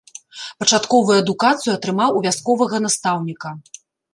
Пачатковую адукацыю атрымаў у вясковага настаўніка.